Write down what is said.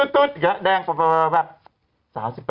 ตอดออกค่ะ